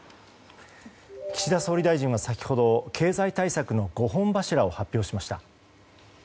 岸田総理大臣は先ほど経済対策の５本柱を発表しました。